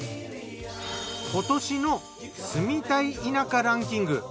今年の住みたい田舎ランキング